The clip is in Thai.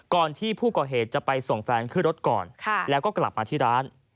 ที่ผู้ก่อเหตุจะไปส่งแฟนขึ้นรถก่อนแล้วก็กลับมาที่ร้าน